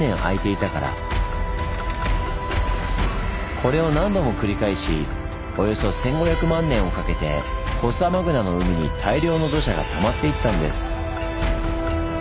これを何度も繰り返しおよそ１，５００万年をかけてフォッサマグナの海に大量の土砂がたまっていったんです。